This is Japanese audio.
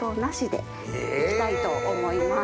行きたいと思います。